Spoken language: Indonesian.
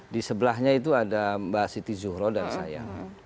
di sebelahnya itu ada mbak siti zuhro dan saya